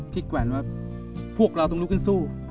แกวนว่าพวกเราต้องลุกขึ้นสู้